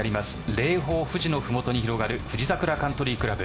霊峰・富士の麓に広がる富士桜カントリー倶楽部。